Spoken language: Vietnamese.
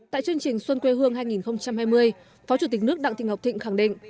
tại chương trình xuân quê hương hai nghìn hai mươi phó chủ tịch nước đặng thị ngọc thịnh khẳng định